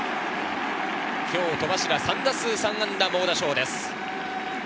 今日、戸柱は３打数３安打の猛打賞です。